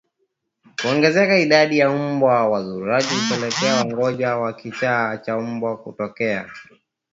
Kuongezeka idadi ya mbwa wazururaji hupelekea ugonjwa wa kichaa cha mbwa kutokea